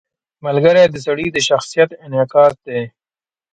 • ملګری د سړي د شخصیت انعکاس دی.